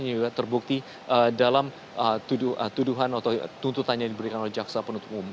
yang juga terbukti dalam tuduhan atau tuntutan yang diberikan oleh jaksa penuntut umum